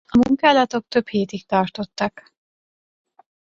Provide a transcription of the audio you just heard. A munkálatok több hétig tartottak.